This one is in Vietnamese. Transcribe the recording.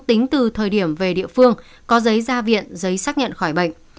tính từ thời điểm về địa phương có giấy ra viện giấy xác nhận khỏi bệnh